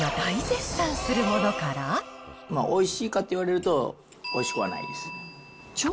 おいしいかって言われると、おいしくはないです。